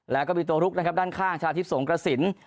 แล้วก็มีตัวลุกนะครับด้านข้างชาทิพย์สงกระสิน